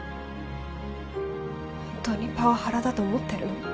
ホントにパワハラだと思ってるの？